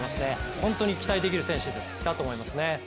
本当に期待できる選手だと思いますね。